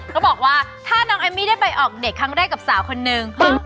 ก็บอกว่าถ้าน้องเอมมี่ได้ไปออกเด็กครั้งแรกกับสาวคนนึง